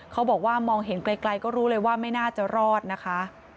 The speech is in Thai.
เขาบอกว่ามองเห็นไกลก็รู้เลยว่าไม่น่าจะรอดนะคะ